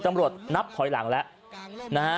ตำรวจนับขอยหลังแล้ว